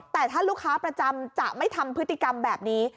แต่ถ้าลูกค้าประจำจะไม่ทำพฤติกรรมแบบนี้